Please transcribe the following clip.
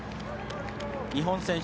日本選手